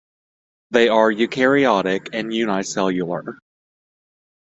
They are Eukaryotic and unicellular.